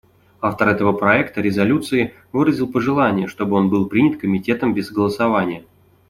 Автор этого проекта резолюции выразил пожелание, чтобы он был принят Комитетом без голосования.